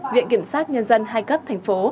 viện kiểm sát nhân dân hai cấp tp